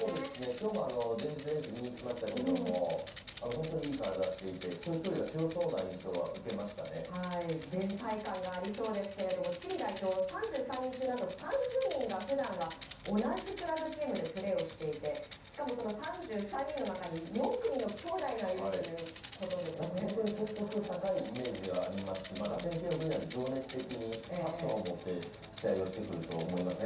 きょうも前日練習見に行きましたけども、本当にいい体していて、一人一人が強そ連帯感がありそうですけれども、チリ代表３３人中、なんと３０人がふだんは同じクラブチームでプレーをしていて、しかも、その３３人の中に４組の兄弟がいるだから本当に結束が高いイメージがありますし、ラテン系の国なので、情熱的にパッションを持って試合をしてくると思いますね。